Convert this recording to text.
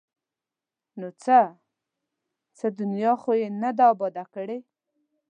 ـ نو څه؟ څه دنیا خو یې نه ده اباد کړې!